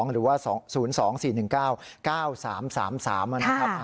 ๐๒๔๑๙๙๒๒๒หรือว่า๐๒๔๑๙๙๓๓๓นะครับ